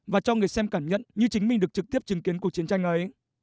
và cho người xem cảm nhận như chính mình được trực tiếp chứng kiến cuộc chiến tranh ấy